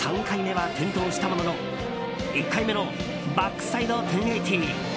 ３回目は転倒したものの１回目のバックサイド１０８０